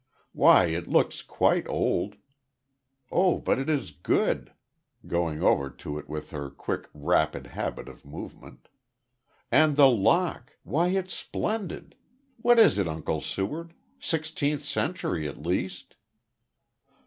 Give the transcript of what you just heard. "Why it looks quite old. Oh, but it is good," going over to it with her quick, rapid habit of movement. "And the lock! Why it's splendid. What is it, Uncle Seward? Sixteenth century, at least?"